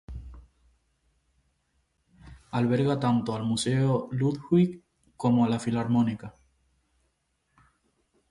Alberga tanto al Museo Ludwig como a la Filarmónica.